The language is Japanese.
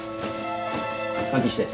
換気して。